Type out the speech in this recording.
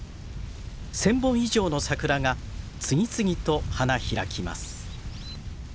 １，０００本以上の桜が次々と花開きます。